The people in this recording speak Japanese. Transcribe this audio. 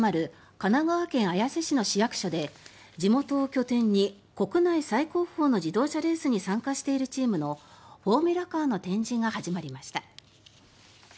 神奈川県綾瀬市の市役所で地元を拠点に国内最高峰の自動車レースに参加しているチームのフォーミュラカーの展示が始まりました。